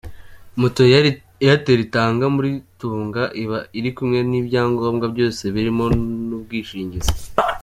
Moto Airtel itanga muri Tunga iba iri kumwe n'ibyangombwa byose birimo n'ubwishingizi.